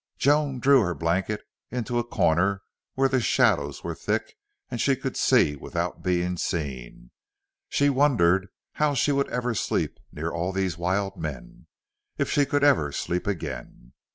Joan drew her blankets into a corner where the shadows were thick and she could see without being seen. She wondered how she would ever sleep near all these wild men if she could ever sleep again.